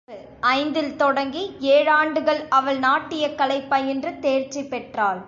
கலைச் சிறப்பு ஐந்தில் தொடங்கி ஏழாண்டுகள் அவள் நாட்டியக் கலை பயின்று தேர்ச்சி பெற்றாள்.